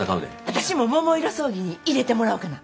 私も桃色争議に入れてもらおうかな。